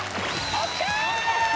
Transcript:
ＯＫ